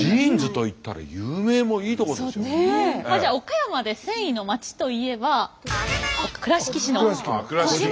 じゃ岡山で繊維のまちといえば倉敷市の児島。